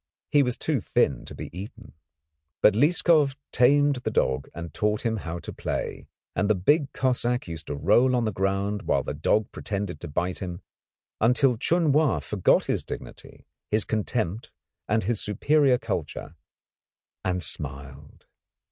He was too thin to be eaten. But Lieskov tamed the dog and taught him how to play, and the big Cossack used to roll on the ground while the dog pretended to bite him, until Chun Wa forgot his dignity, his contempt, and his superior culture, and smiled.